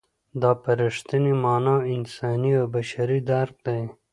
دا په رښتینې مانا انساني او بشري درک دی.